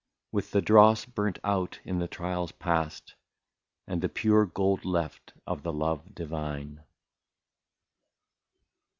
With the dross burnt out in the trials past. And the pure gold left of the love divine